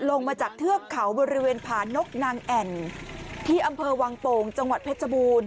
ลงมาจากเทือกเขาบริเวณผานกนางแอ่นที่อำเภอวังโป่งจังหวัดเพชรบูรณ